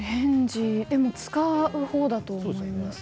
使うほうだと思います。